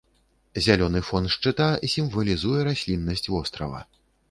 Зялёны фон шчыта сімвалізуе расліннасць вострава.